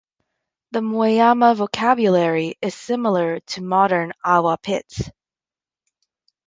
The Muellama vocabulary is similar to modern Awa Pit.